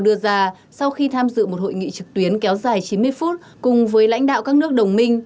đưa ra sau khi tham dự một hội nghị trực tuyến kéo dài chín mươi phút cùng với lãnh đạo các nước đồng minh